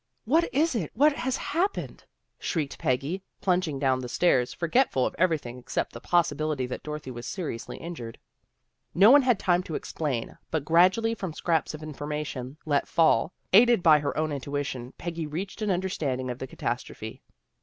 " What is it? What has happened? " shrieked Peggy, plunging down the stairs, forgetful of everything except the possibility that Dorothy was seriously injured. No one had time to explain, but gradually from scraps of information let fall, aided by her own intuition, Peggy reached an understand ing of the catastrophe.